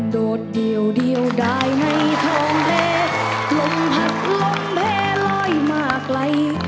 โดดเดี่ยวดายในทะลองเลลมผักลมแพร่ลอยมาไกล